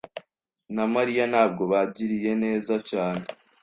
na Mariya ntabwo bangiriye neza cyane.